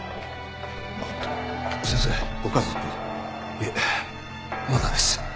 いえまだです。